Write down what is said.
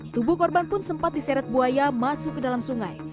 tubuh korban pun sempat diseret buaya masuk ke dalam sungai